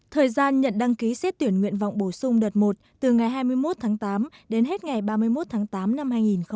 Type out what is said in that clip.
thời gian nhận đăng ký xét tuyển nguyện vọng bổ sung đợt một từ ngày hai mươi một tháng tám đến hết ngày ba mươi một tháng tám năm hai nghìn một mươi chín